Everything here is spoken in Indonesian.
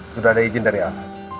sudah ada izin dari ah